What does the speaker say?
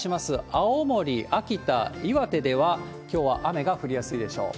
青森、秋田、岩手では、きょうは雨が降りやすいでしょう。